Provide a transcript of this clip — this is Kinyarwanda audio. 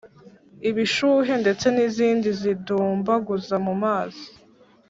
ibishuhe ndetse n’izindi zidumbaguza mu mazi,